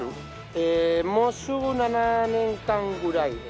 えーもうすぐ７年間ぐらいです。